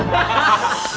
aku akan mencarimu